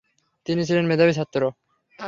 তিনি ছিলেন মেধাবী ছাত্র।